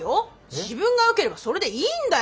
自分がよければそれでいいんだよ。